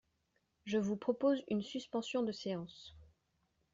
Je vous propose une suspension de séance.